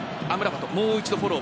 もう一度フォロー。